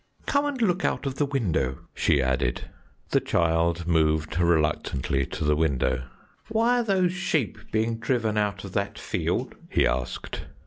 "Come and look out of the window," she added. The child moved reluctantly to the window. "Why are those sheep being driven out of that field?" he asked.